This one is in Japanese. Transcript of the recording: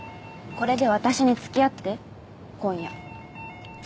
これで私につきあって今夜。